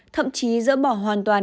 thậm chí dỡ bỏ hoàn toàn